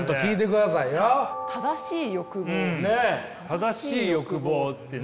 「正しい欲望」ってね。